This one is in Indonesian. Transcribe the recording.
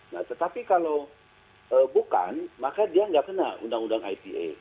nah tetapi kalau bukan maka dia nggak kena undang undang ipa